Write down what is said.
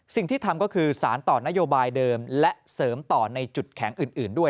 สิ่งที่ทำก็คือสารต่อนโยบายเดิมและเสริมต่อในจุดแข็งอื่นด้วย